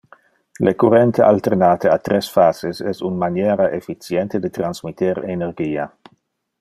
Le currente alternate a tres-phases es un maniera efficiente de transmitter energia.